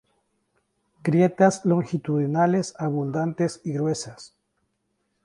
Grietas longitudinales abundantes y gruesas.